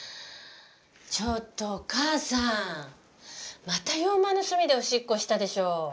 ちょっとお母さんまた洋間の隅でおしっこしたでしょ？